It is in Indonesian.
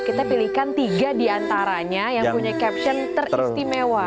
kita pilihkan tiga diantaranya yang punya caption teristimewa